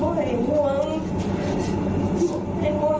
ไม่ห่วงห่วง